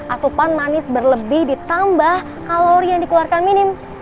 asupan manis berlebih ditambah kalori yang dikeluarkan minim